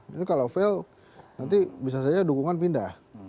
jadi kalau fail nanti bisa saja dukungan pindah